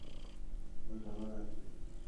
ওর ভালো লাগবে।